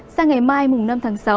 sao ngày mai mùng năm tháng sáu